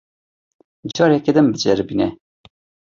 Careke din biceribîne.